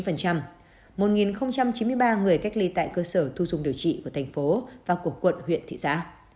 một chín mươi ba người cách ly tại cơ sở thu dùng điều trị của thành phố và của quận huyện thị xã